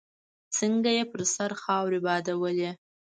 څنګه يې پر سر خاورې بادولې.